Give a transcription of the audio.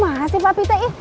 masih pak pita